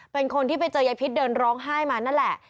เป็นคนที่ไปเจอยายพิษเดินร้องไห้มานั่นแหละ